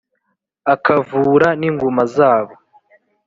akavura n’inguma zabo